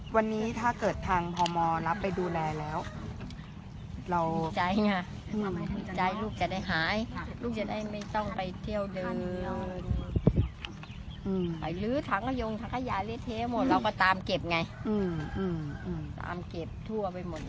วันนี้ถ้าเกิดทางพมรับไปดูแลแล้ว